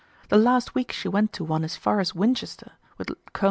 The last week she went to one as far as Winchester with Col.